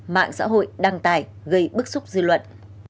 mạng xã hội đăng tải gây bức xúc dư luận